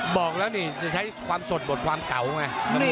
บอกแล้วนี่จะใช้ความสดบทความเก่าไง